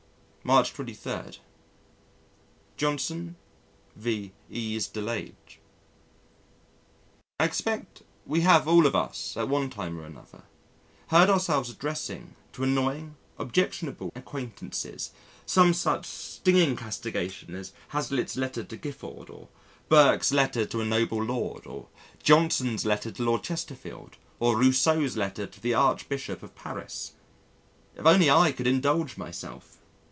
March 23. Johnson v. Yves Delage I expect we have all of us at one time or another heard ourselves addressing to annoying, objectionable acquaintances some such stinging castigation as Hazlitt's letter to Gifford, or Burke's letter to a Noble Lord, or Johnson's letter to Lord Chesterfield, or Rousseau's letter to the Archbishop of Paris. If only I could indulge myself!